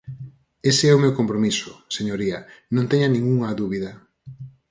Ese é o meu compromiso, señoría, non teña ningunha dúbida.